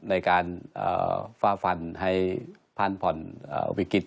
ในการฝ้าฟันให้พรรณพลวิกฤต